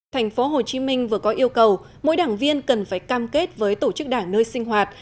thành phố hồ chí minh vừa có yêu cầu mỗi đảng viên cần phải cam kết với tổ chức đảng nơi sinh hoạt